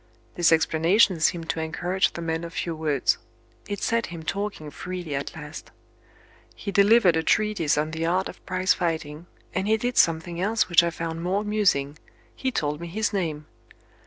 This explanation seemed to encourage the man of few words: it set him talking freely at last. He delivered a treatise on the art of prizefighting, and he did something else which I found more amusing he told me his name.